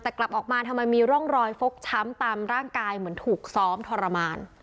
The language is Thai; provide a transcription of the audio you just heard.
แต่กลับออกมาทำไมมีร่องรอยฟกช้ำตามร่างกายเหมือนถูกซ้อมทรมาน